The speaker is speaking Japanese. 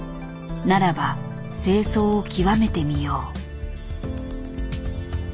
ならば清掃を極めてみよう」。